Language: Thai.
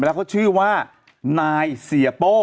แล้วเขาชื่อว่านายเสียโป้